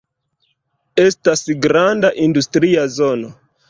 Estas granda industria zono.